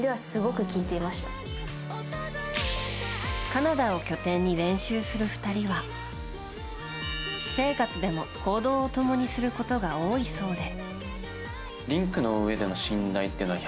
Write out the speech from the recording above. カナダを拠点に練習する２人は私生活でも行動を共にすることが多いそうで。